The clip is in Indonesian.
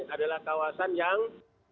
adalah kawasan yang